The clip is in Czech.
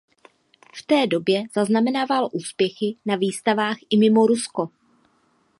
V té době zaznamenával úspěchy na výstavách i mimo Rusko.